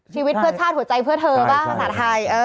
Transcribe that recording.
ชีวิตเพื่อชาติหัวใจเพื่อเธอบ้างภาษาไทย